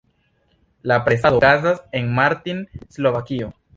La presado okazas en Martin, Slovakio.